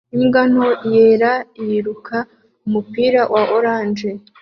Imbwa nto yera yiruka umupira wa orange